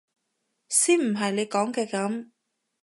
先唔係你講嘅噉！